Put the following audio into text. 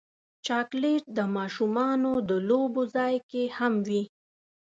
چاکلېټ د ماشومانو د لوبو ځای کې هم وي.